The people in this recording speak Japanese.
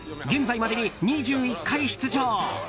現在までに２１回出場。